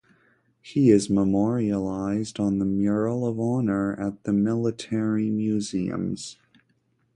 He is memorialized on the Mural of Honour at The Military Museums.